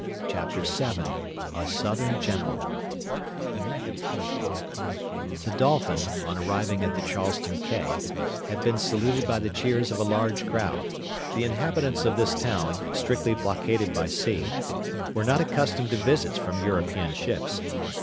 Chapter VII A SOUTHERN GENERAL The Dolphin, on arriving at the Charleston quay, had been saluted by the cheers of a large crowd. The inhabitants of this town, strictly blockaded by sea, were not accustomed to visits from European ships.